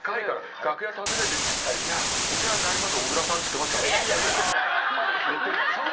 楽屋訪ねてきてお世話になります、小倉さんって言ってましたもん。